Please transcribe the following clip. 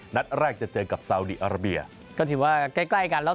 นัดแรกจะเจอกับซาวดีอาราเบียก็ถือว่าใกล้ใกล้กันแล้ว